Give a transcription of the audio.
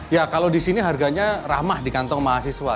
ya kalau di sini harganya ramah di kantong mahasiswa